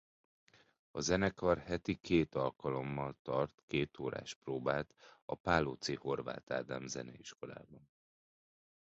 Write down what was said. A zenekar heti két alkalommal tart kétórás próbát a Pálóczi Horváth Ádám zeneiskolában.